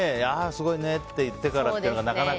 すごいねって言ってからっていうのがなかなか。